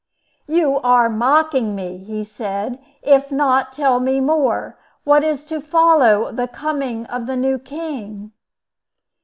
"You are mocking me," he said. "If not, tell me more. What is to follow the coming of the new king?"